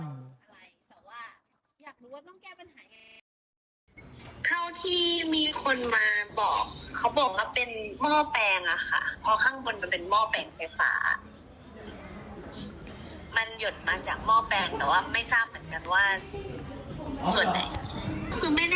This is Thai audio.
คราวที่มีคนมาบอกเขาบอกว่าเป็นหม้อแปลงค่ะ